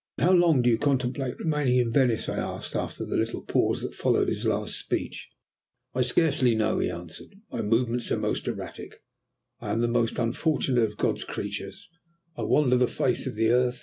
"How long do you contemplate remaining in Venice?" I asked, after the little pause that followed his last speech. "I scarcely know," he answered. "My movements are most erratic. I am that most unfortunate of God's creatures, a wanderer on the face of the earth.